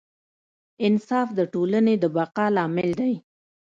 انصاف د ټولنې د بقا لامل دی.